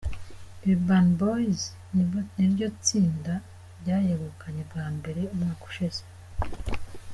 Urban Boys niryo tsinda ryayegukanye bwa mbere umwaka ushize.